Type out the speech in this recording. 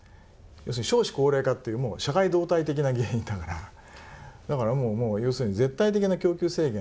要するに少子高齢化っていう社会動態的な原因だからだから、もう要するに絶対的な。